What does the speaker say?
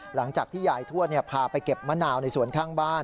หลังจากที่ยายทวดพาไปเก็บมะนาวในสวนข้างบ้าน